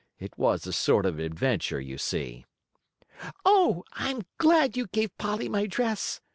It was a sort of adventure, you see. "Oh, I'm glad you gave Polly my dress!"